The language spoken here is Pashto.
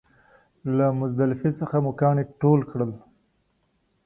له مزدلفې څخه مو کاڼي ټول کړل.